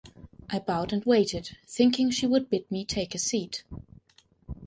I bowed and waited, thinking she would bid me take a seat.